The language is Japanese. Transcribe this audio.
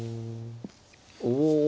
お。